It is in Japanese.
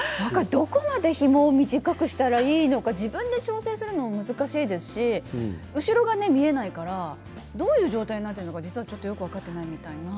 どこまでひもを短くしたらいいのか自分で調整するのも難しいですし後ろは見えないからどういう状態になっているのかがちょっと分からない。